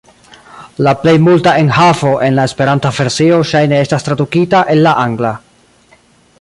La plej multa enhavo en la Esperanta versio ŝajne estas tradukita el la angla.